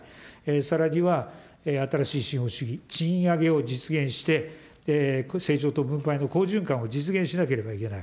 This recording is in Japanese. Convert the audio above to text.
さらには新しい資本主義、賃上げを実現して、せいじょうと分配の好循環を実現しなければいけない。